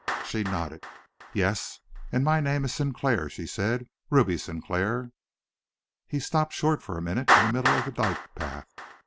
She nodded. "Yes! And my name is Sinclair," she said, "Ruby Sinclair." He stopped short for a minute in the middle of the dyke path.